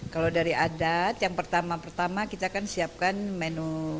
kalau dari adat yang pertama pertama kita kan siapkan menu